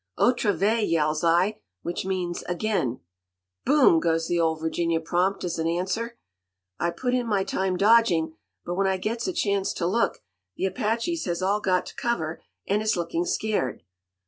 "'Otra vez!' yells I, which means 'again.' "'Boom!' goes the Ole Virginia prompt as an answer. "I put in my time dodging, but when I gets a chance to look, the Apaches has all got to cover and is looking scared.